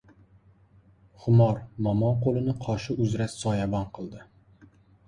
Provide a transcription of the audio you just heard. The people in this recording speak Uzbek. Xumor momo qo‘lini qoshi uzra soyabon qildi.